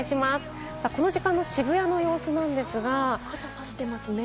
この時間の渋谷の様子なんですが、傘さしてますね。